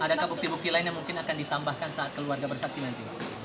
adakah bukti bukti lain yang mungkin akan ditambahkan saat keluarga bersaksi nanti